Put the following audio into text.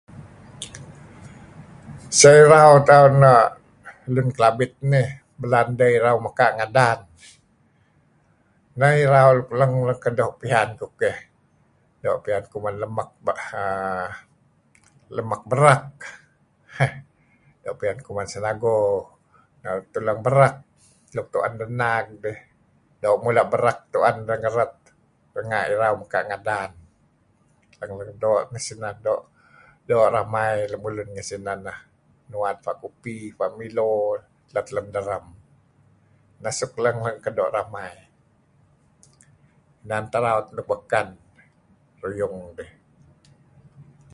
Seh irau tauh na' lun Kelabit nih belaan deh irau mekaa' ngadan. Neh irau luk leng-leng ken doo' pian kukeh. Doo' pian kuman lemek be..., ...err... lemek berek. Heh... doo' pian kuman senago... tulang berek nuk tu'en deh naag iih. Doo' mula' berek tu'en deh ngeret renga' irau mekaa' ngadan. Leng-leng doo sineh meto'. Doo' ramai lemulun ngen sineh neh. Nuad pa' kupi, pa' miło let lem derem. Neh suk leng-leng kendo' ramai. Inan teh raut beken ruyung dih.